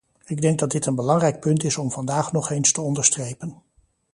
Ik denk dat dit een belangrijk punt is om vandaag nog eens te onderstrepen.